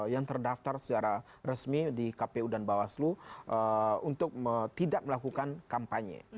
yang terdaftar secara resmi di kpu dan bawaslu untuk tidak melakukan kampanye